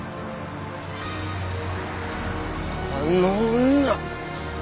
あの女！